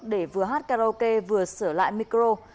để vừa hát karaoke vừa sửa lại micro